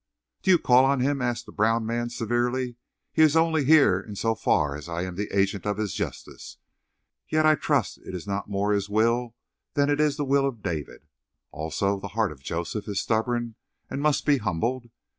"Do you call on him?" asked the brown man severely. "He is only here in so far as I am the agent of his justice. Yet I trust it is not more His will than it is the will of David. Also, the heart of Joseph is stubborn and must be humbled.